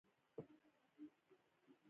کېچ نیول د فیلډر له پاره ویاړ دئ.